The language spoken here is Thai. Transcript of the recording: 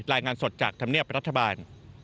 รายงานสดจากธรรมเนียบรัฐบาล